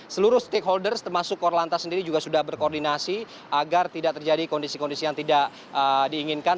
seluruh stakeholders termasuk korlantas sendiri juga sudah berkoordinasi agar tidak terjadi kondisi kondisi yang tidak diinginkan